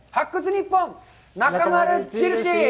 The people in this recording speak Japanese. ニッポンなかまる印。